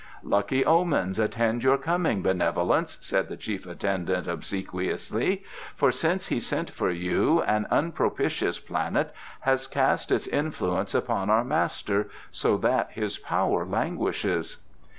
"Lucky omens attend your coming, benevolence," said the chief attendant obsequiously; "for since he sent for you an unpropitious planet has cast its influence upon our master, so that his power languishes."